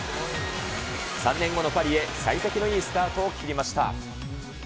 ３年後のパリへ、さい先のいいスタートを切りました。